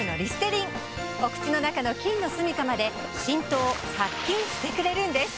お口の中の菌のすみかまで浸透・殺菌してくれるんです。